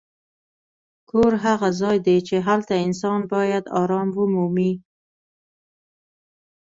کور هغه ځای دی چې هلته انسان باید ارام ومومي.